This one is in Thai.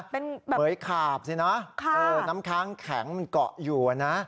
เป็นเผยขาบสินะค่ะน้ำค้างแข็งมันเกาะอยู่อ่ะนะค่ะ